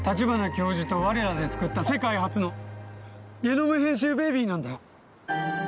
教授と我らでつくった世界初のゲノム編集ベビーなんだよ。